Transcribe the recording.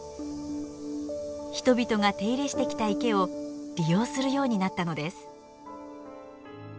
人々が手入れしてきた池を利用するようになったのです。